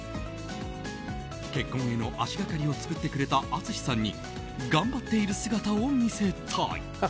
結婚への足がかりを作ってくれた淳さんに頑張ってる姿を見せたい。